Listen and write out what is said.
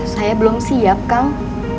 saya belum siap kang